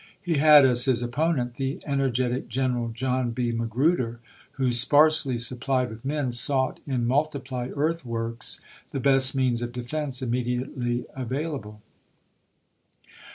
He had as his opponent the ener getic General John B. Magi'uder, who, sparsely sup plied with men, sought in multiplied earthworks the best means of defense immediately available.